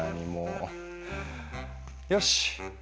よし！